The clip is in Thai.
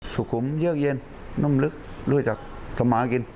สุขุมเยือกเย็นนุ่มลึกรู้จักทำมากิน